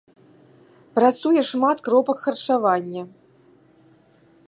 Працуе шмат кропак харчавання.